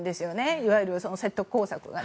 いわゆる説得工作がね。